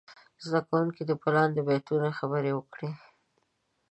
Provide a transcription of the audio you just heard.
زده کوونکي دې په لاندې بیتونو خبرې وکړي.